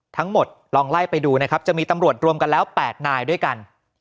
ทั้งหมดลองไล่ไปดูนะครับจะมีตำรวจรวมกันแล้ว๘นายด้วยกัน